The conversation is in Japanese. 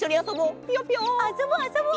あそぼうあそぼう！